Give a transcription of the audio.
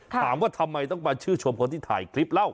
ถามว่าทำไมต้องมาชื่นชมคนที่ถ่ายคลิปเล่า